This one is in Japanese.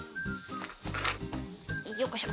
よっこいしょ。